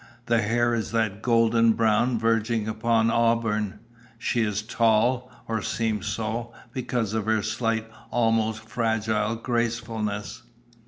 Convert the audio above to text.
The hair is that golden brown verging upon auburn; she is tall, or seems so, because of her slight, almost fragile, gracefulness."